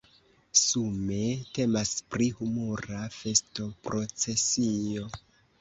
Sume temas pri humura festoprocesio.